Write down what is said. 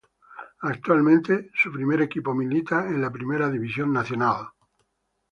Actualmente, su primer equipo milita en la Primera División Nacional.